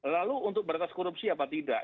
lalu untuk beratas korupsi apa tidak